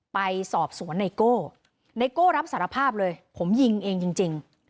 ไปสอบสวนไนโก้ไนโก้รับสารภาพเลยผมยิงเองจริง